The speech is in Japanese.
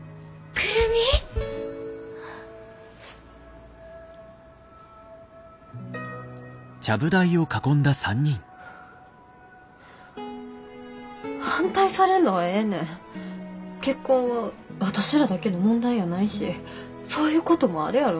結婚は私らだけの問題やないしそういうこともあるやろなって。